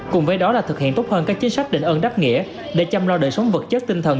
cùng với đó là thực hiện tốt hơn các chính sách định ân đáp nghĩa để chăm lo đời sống vật chất tinh thần